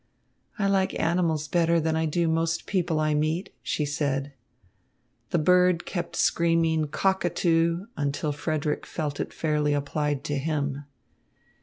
"I like animals better than I do most people I meet," she said. The bird kept screaming "Cockatoo!" until Frederick felt it fairly applied to him.